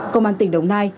công an tỉnh đồng nai